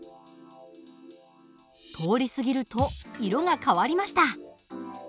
通り過ぎると色が変わりました。